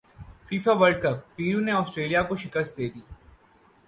FIFA world cup Peru نے Australia کو شکست دیدی